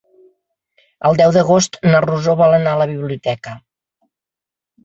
El deu d'agost na Rosó vol anar a la biblioteca.